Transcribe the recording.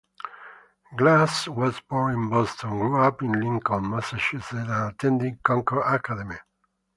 Glass was born in Boston, grew up in Lincoln, Massachusetts, and attended Concord Academy.